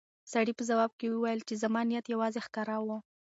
سړي په ځواب کې وویل چې زما نیت یوازې ښکار و.